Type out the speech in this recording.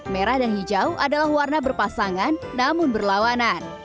merah dan hijau adalah warna berpasangan namun berlawanan